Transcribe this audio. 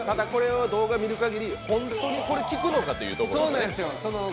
これを動画見るかぎり、本当にこれきくのかというところですよね。